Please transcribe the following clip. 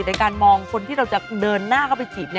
ในการมองคนที่เราจะเดินหน้าเข้าไปจีบ